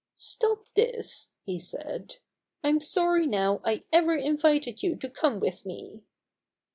*'Stop this," he said. "Pm sorry now I ever invited you to come with me."